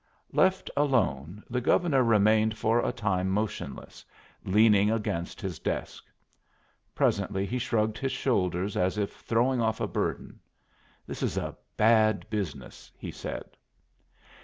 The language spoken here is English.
Left alone, the Governor remained for a time motionless, leaning against his desk. Presently he shrugged his shoulders as if throwing off a burden. "This is a bad business," he said.